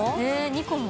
２個も？